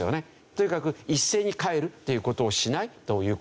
とにかく一斉に帰るっていう事をしないという事です。